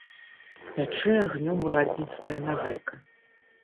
Пячэ агнём урадніцкая нагайка.